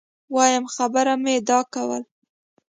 وایم خبره مي دا کول